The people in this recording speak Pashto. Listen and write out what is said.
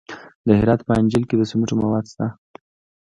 د هرات په انجیل کې د سمنټو مواد شته.